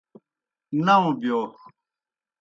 ناؤ بِیو۔